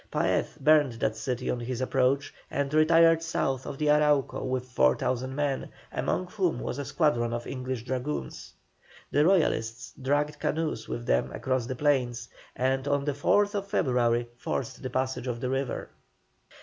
Paez burned that city on his approach, and retired south of the Arauca with 4,000 men, among whom was a squadron of English dragoons. The Royalists dragged canoes with them across the plains, and on the 4th February forced the passage of the river.